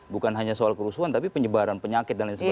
bukan hanya soal kerusuhan tapi penyebaran penyakit dan lain sebagainya